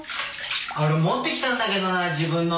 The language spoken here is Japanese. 俺持ってきたんだけどな自分の。